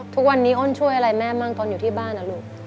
ทุกวันนี้อ้นช่วยอะไรแม่บ้างตอนอยู่ที่บ้านนะลูก